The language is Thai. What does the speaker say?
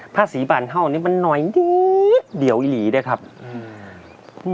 ผ้าสีบานเท่านี้มันหน่อยนิดเดียวอีหลีด้วยครับอืม